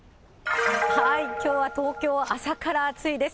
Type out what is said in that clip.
きょうは東京、朝から暑いです。